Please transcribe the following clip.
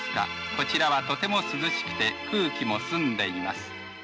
こちらはとても涼しくて空気も澄んでいます。